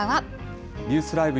ニュースＬＩＶＥ！